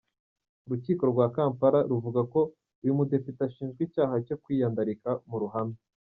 Urukiko rwa Kampala ruvuga ko uyu mudepite ashinjwa icyaha cyo kwiyandarika mu ruhame.